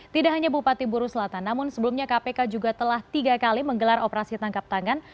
tidak hanya bupati buru selatan namun sebelumnya kpk juga telah tiga kali menggelar operasi tangkap tangan